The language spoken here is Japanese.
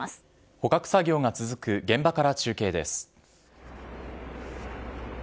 捕獲作業が続く現場から中継です。